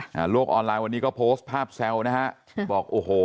โลกออนไลน์วันนี้ก็โพสต์ภาพแซวนะฮะบอกโอ้โห